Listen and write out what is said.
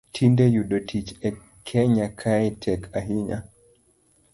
Tinde yudo tich e kenya kae tek ahinya